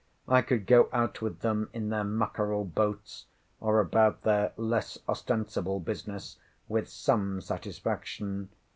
I could go out with them in their mackarel boats, or about their less ostensible business, with some satisfaction.